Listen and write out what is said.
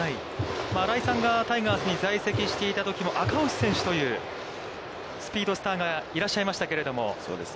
新井さんがタイガースに在籍していたときも、赤星選手というスピードスターがいらっしゃいましたけれども。